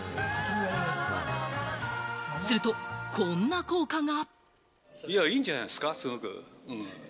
すると、こんな効果が。